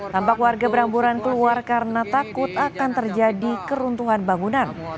tampak warga berhamburan keluar karena takut akan terjadi keruntuhan bangunan